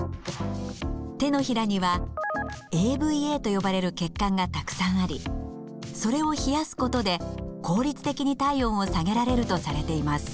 手のひらにはＡＶＡと呼ばれる血管がたくさんありそれを冷やすことで効率的に体温を下げられるとされています。